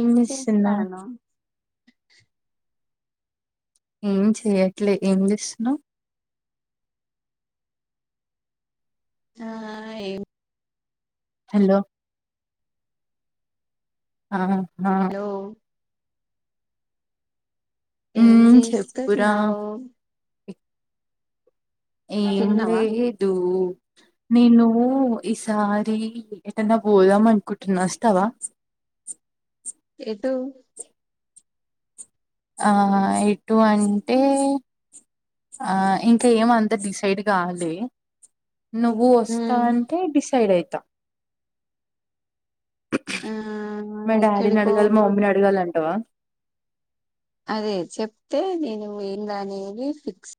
ఏం చేస్తానవ్ ఏం చెయ్యట్లే ఏం చేస్తున్నావ్ ఆ ఏ హలో ఆ హా హలో ఏం మ్మ్ చెప్పురా చేస్తున్నావ్ ఏం తిన్నావా లేదు నేను ఈసారి ఏడన్నా పోదాం అనుకుంటున్నా వస్తావా ఎటు ఆ ఎటు అంటే ఆ ఇంకా ఏమంతా డిసైడ్ గాలే నువ్వు వస్తా ఉమ్ అంటే డిసైడ్ అయి త్త ఆ మా డాడీనే ఎక్కడికో అడగాలి, మా మమ్మీని అడగాలి అంటావా అదే చెప్తే నేను ఏంద్రా అనేది. ఫిక్స్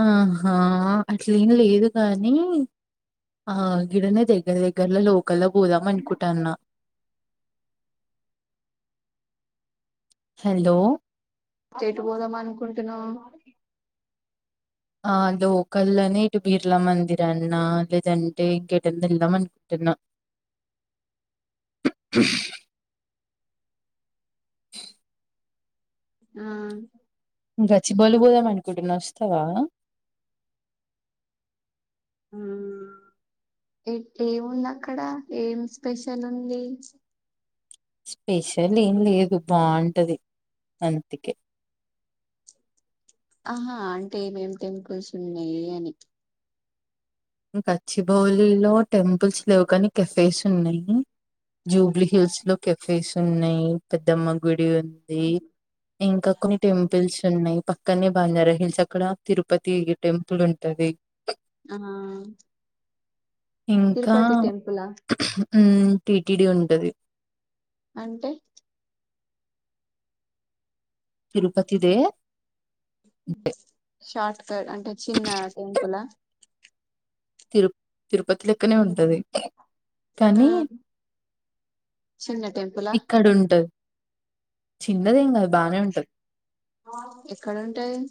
ఆహా అట్లేం లేదు కానీ, ఆహా గిడనే దగ్గర దగ్గర్లల్లో క్కల్లకు పోదామన్ కుట్టాన్న హల్లో ఏట్ పోదామనుకుంటున్నావ్ ఆ లోకల్లోనే ఇటు బిర్లా మందిరన్నా లేదంటే, ఇంకేటన్న వెళ్దామన్ టున్నా ఆ మ్మ్ గచ్చిబౌలి కి పోదాం. అనుకుంటున్నాస్తవా హ్మ్మ్ ఎ టుఏముంది. అక్కడ ఏం స్పెషల్ ఉంది. స్పెషల్ ఏం లేదు బాంటది. అం త్తిక్కే ఆహా అంటే యేమేం టెంపుల్స్ ఉన్నాయి. అని హ్ గచ్చిబౌలి లో టెంపుల్స్ లేవు, కాని కెఫేస్ ఉన్నాయి. జూబ్లీ హిల్స్ లో కఫేస్ ఉన్నాయి. పెద్దమ్మ గుడి ఉన్ ఉందీ. ఇంకా కొన్ని టెంపుల్స్ ఉన్నాయి. ప్ప క్కన్నే బంజారా హిల్స్, అక్కడ తిరుపతి ఇగే టెంపుల్ ఉంటది. ఆ ఇంకా తిరుపతి టెంపులా మ్మ్ హ్మ్మ్ టి టి డి ఉంటది. అంటే తిరుపతిదే [unintelligible] షార్ట్కట్ అంటే చిన్న టెంపులా తిరుప్ తిరుపతి లెక్కనే ఉంటది. ఆ కానీ హ్ చిన్న టెంపులా ఇక్కడుంటది. చిన్నదేం కాద్ ఎక్కడ ఉంటాదన్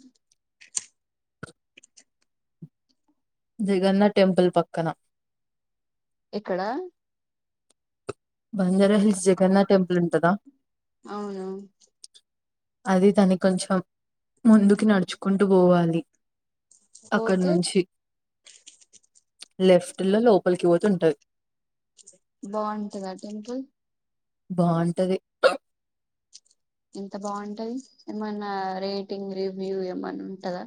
జెగన్న టెంపుల్ పక్కన ఎక్కడా బంజారా హిల్స్, జగన్నాద్ టెంపుల్ ఉంటదా అవును అది దాన్ని కొంచెం ముందుకి, నడ్చుకుంటూ వోవాలి. అక్కడు పోతే నుంచి ప్చ్ లెఫ్ట్ లో లోప్పలికి వొతుంటది. బావుంటదా టెంపుల్ బావుంటది అ ఎంత బావుంటది ఏమనా రేటింగ్ రివ్యూ ఏమన్నా ఉంటదా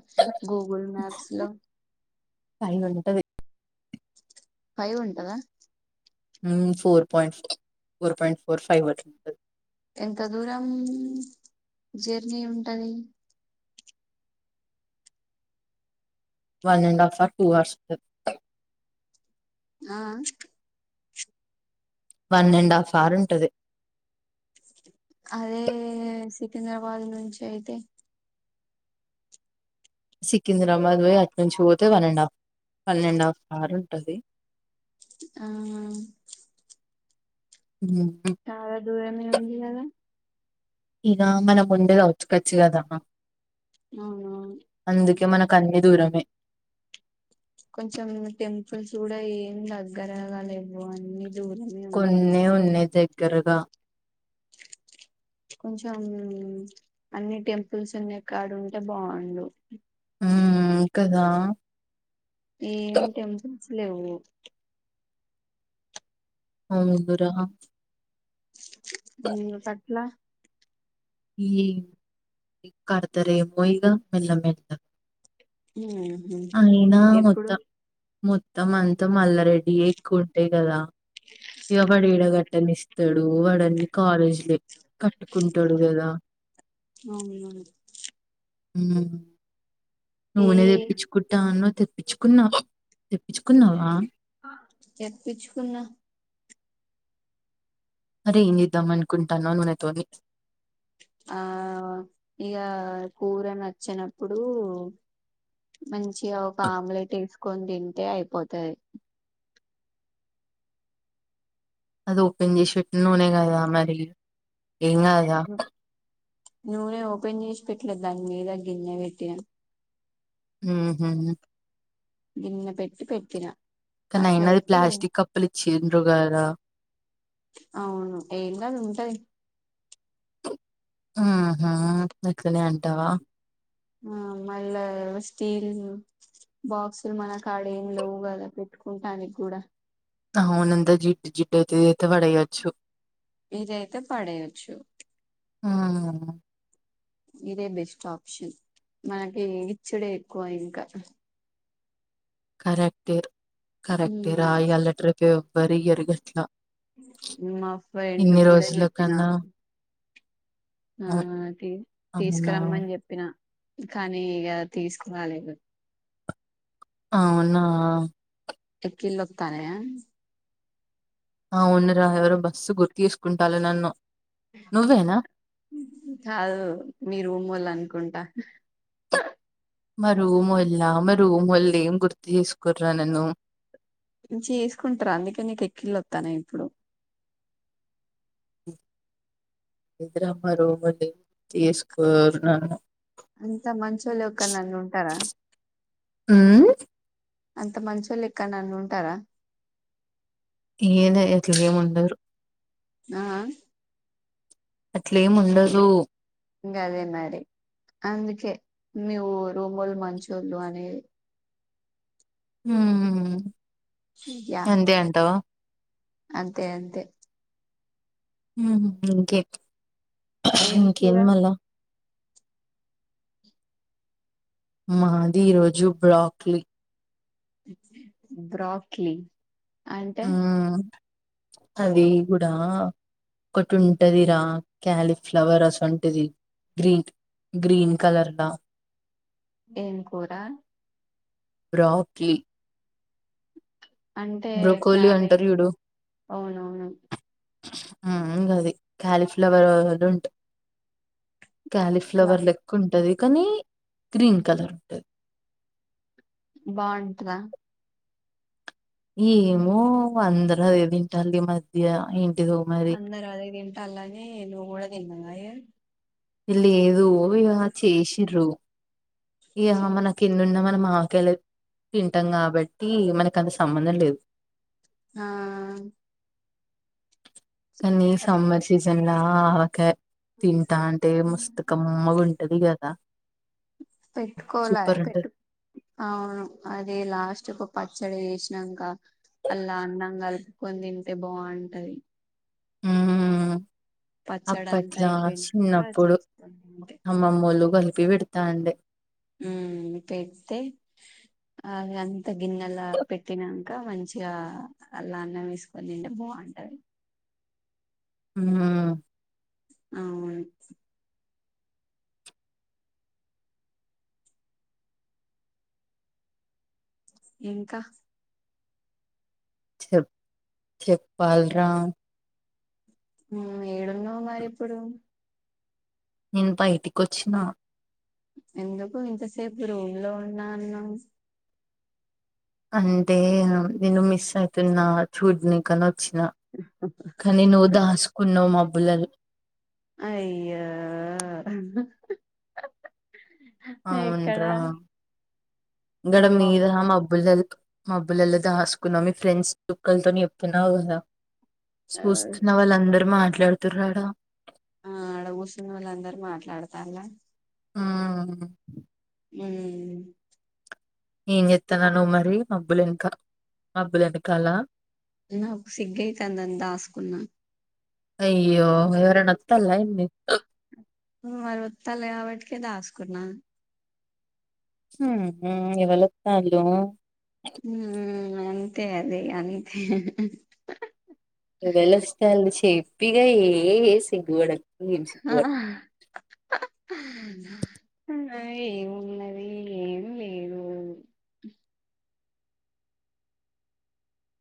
గూగుల్ మ్యాప్స్ లో పైన ఉంటది పై ఉంటందా ఉమ్ four points four point four five అట్లా ఎంత దూరం జర్నీ ఉంటది one and half or two hours ఉంట ఆయ్ వన్ అండ్ హాఫ్ అవర్ ఉంటది అదే సికింద్రబాద్ నుంచి అయితే సికింద్రాబాద్ పోయి అటు నుంచి పోతే one and half one and half hour ఉంటది ఆహ హ్మ్ చాల దూరం మీద ఉంది కదా ఇక మనం ఉండే అవుట్ కట్స్ కదా అవునవును అందుకే మనక కన్ని దూరమే కొంచెం టెంపుల్స్ గూడా ఏం దగ్గరగలేవు అన్ని దూరమే ఉన్నాయి కొన్నె ఉన్నయి దగ్ గ్గరగా కొంచెం అన్ని టెంపుల్స్ ఉన్నే కాడ ఉంటే బాగుండు ఉమ్ కదా ఏమ్ టెంపుల్ లెవ్వు అ ముగ్గురా వెందుకట్ల ఈ కడతరే పోయిగా మెల్ల మెల్ల హుమ్ అయినా మొత్తం మొ మొత్తం అంత మళ్ల రెడి అయి ఎక్కువ ఉంటయి కదా ఇవబడి ఈడ గట్టన్దిస్తడు ఇప్పుడు వాడన్ని కాలేజ్ లే కట్టుకుంటడు కదా అవునవును ఉమ్మ్ ఏ నూనె దెప్పించుకుంటాన్నావ్ తెప్పిచ్చుకున్నా తెప్పిచుకున్నా అరే ఏంచేద్దాం అనుకుంటానవ్ నూనె తోని ఆ ఇగ కూర నచ్చనప్పుడు మంచిగా ఒక ఆమ్లెట్ వేసుకొని తింటే అయిపోతది అది ఓపెన్ చేసెట్ నూనె కదా మరి ఎంగాదుగా నూనె ఓపెన్ చేసి పెట్లే దాని మీద గిన్నె పెట్టినా ఊహూ గిన్నె పెట్టి పెట్టిన కానీ అయినాది అట్లయితే ప్లాస్టిక్ కప్పులు ఇచ్చిండ్రు గాదా అవును ఏం కాదు ఉంటాయి ఊహూ అట్లనే అంటావా ఆ మళ్ళా స్టీల్ బాక్సులు మనకు ఆడ ఏమి లేవు కదా పెట్టుకుంటానికి కూడా అవునంతా జిడ్డు జిడ్డు అయితే ఇదైతే పడెయ్యొచ్చు ఇదైతే పడేయోచ్చు హ్మ్ ఇదే బెస్ట్ ఆప్షన్ మనకి ఇచ్చుడే ఎక్కువ ఇంకా కరెక్టే కరెక్టే రా ఇయ్యాలటి రేపు ఎవ్వరు ఇయ్యరు గట్లా మా ఫ్రెండ్ ఇన్ని కి గూడా రోజుల చెప్పిన కన్నా అవు హ్మ్ తీసుకు అవునా తీసుకురమ్మని చెప్పినా కానీ ఇగ తీసుకురాలేదు అవునా ఎక్కిళ్ళు వత్తానయా అవునురా ఎవరు బస్సు గుర్తు తీసుకుంటారు నన్ను నువ్వేనా కాదు మీ రూమ్మోళ్ళనుకుంటా మా రూమోళ్ళా మా రూమోళ్ళేం ఏం గుర్తు చేసుకోర్రా నన్ను చేసుకుంటరు అందుకే నీక ఎక్కిళ్ళొత్తానయి ఇప్పుడు ఇదరమ్మ రోమలి తీసుకున్నా అంత మంచోళ్ళు ఎక్కడనన్న ఉంటారా హ్మ్ అంత మంచోళ్ళు ఎక్కడనన్న ఉంటరా ఈయనే ఇక ఏముండరు ఆ అట్లేం ఉండదు ఇంకా అదే మరి అందుకే నువు రూములు మంచోళ్ళు అనేది హ్మ్ య అంతే అంటావా అంతే అంతే హ్మ్ ఇంకే ఏం కూర ఇంకేం మళ్ళ మాది ఈరోజు బ్రాక్లీ బ్రాక్లీ అంటే హ్మ్ అది కూడా ఒకటి ఉంటదిరా క్యాలిఫ్లవర్ అసువంటిది గ్రీన్ గ్రీన్ కలర్గా ఏం కూరా బ్రాక్లీ అంటే బ్రోకోలీ అంటారు క్యాబేజ్ అవునవును మ్మ్ అంగది క్యాలీఫ్లవర్ అది ఉంటా ఇట్లా క్యాలీఫ్లవర్ లెక్కుంటది కానీ గ్రీన్ కలర్ ఉంటది బాగుంటదా ఏమో వందరు అదేదింటాల్లు ఈ మ ధ్యా ఇం అందరు అదే తింటల్లని నువ్వు కూడా తిన్నావాయే ఎ ల్లే దు ఇగ చేసిర్రు ఇగ మనకి ఎన్ను మ మా కేళద్ తింటాం కాబట్టి మనక్ అంత సంబంధం లేదు ఆహ్ కనీసం మేడ్సిజన్ నాకే తింటాన్ ఇగ మస్తు కమ్మగుంటదిగా దా పెట్టుకోలె పెట్టు అవును అది లాస్ట్ కు పచ్చడి చేసినంక అల్లా అన్నం కలుపుకొని తింటే బావుంటది. హ్మ్ పచ్చడి అంతా అయిపోయినంక చిన్నప్పుడు చేస్కోని తింటే అమ్మమ్మోళ్ళు కలిపి పెడతాండె ఉ పెడితే అవి అంత గిన్నెలా పెట్టినంక మంచిగా అలా అన్నం వేసుకొని తింటే బావుంటది, హ్మ్ అవును ఇంకా చెప్ చెపాల్రా హ్మ్ ఏడున్నవ్ మరి ఇప్పుడు నేను బయటికి వచ్చినా ఎందుకు ఇంతసేపు రూమ్ లో ఉన్నా అన్నవ్, అంటే నూ నిన్ను మిస్ అయితున్నా చూడ్నీకనో చ్చిన కానీ నువ్వు దాసుకున్నవ్ మ బుల్లలు అయ్యో ఎక్కడ అవునురా ఇంగడ మబ్బ మీదా మబ్బులల్ మబ్బులల్ల దాసుకున్నా మీ ఫ్రెండ్స్ చుక్కల్ తోని చెప్తున్నావు కదా ఆ సుస్తున్న వాళ్ళందరు మా ట్లడుతుర్ర్ ఆడ ఆ ఆడ కూర్చున్నోలందరు మాట్లాడుతాల్ల ఆ హ్మ్ ఏం చెతన్నవ్ నువ్వు మరి మబ్బుల యెనక మబ్బులేనకాల నాకు సిగ్గైతాందని దాసుకున్నా అయ్యో ఎవరన్నా మరి ఓత్తల్ కాబటీ కే దాసుకున్నా హుహ్ ఎవలోతాల్లు హ్ అంతే అది అంతే ఎవలోస్తాలు చేప్ ప్పిగా ఏ ఏ సిగ్గువడకు నేను ఆ, సిగ్గుపడ్ ఏమున్నది ఏం లేదు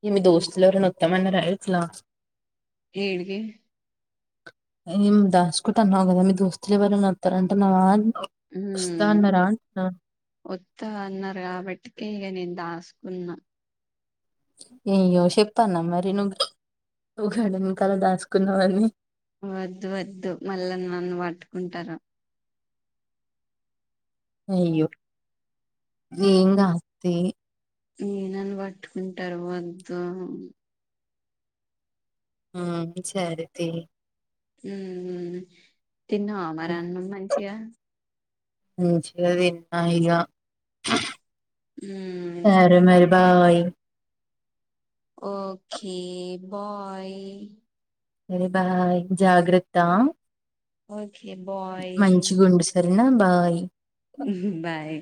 ఇగ మీ దోస్తులేవరన్న ఓత్తమన్నర ఎట్ల ఏడికి ఏం దాసుకుంటన్నావు కదా మీ దోస్తులు ఎవరైనా ఓత్తరంటన్నవ హు ఓ ఓత్త అన్నారు కాబట్టీకే ఈగ నీను దాసుకున్నా అయ్యో చెప్పాల్నా మరి నువ్వు గడెనుకాల ని దాసుకున్నవని వద్ వద్దు మళ్ళ నన్ను పట్టుకుంటరు అయ్యో ఏం కాదు తియ్ నన్ను పట్టుకుంటరు వద్దు ఆ సరేతియ్ ఊమ్ తిన్నావా మరి అన్నం మంచిగా మంచిగ తిన్న యిగ హ్మ్ సరే మరి బాయ్ ఓకే బాయ్ సరే బాయ్ జాగ్రత్తా ఓ కే బాయ్ నా బాయ్ బాయ్